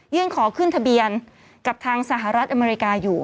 ขอขึ้นทะเบียนกับทางสหรัฐอเมริกาอยู่